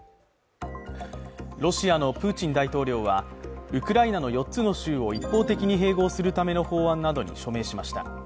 ロシアのプーチン大統領はウクライナの４つの州を一方的に併合するための法案などに署名しました。